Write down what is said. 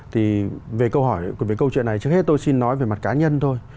thì về câu chuyện này trước hết tôi xin nói về mặt cá nhân thôi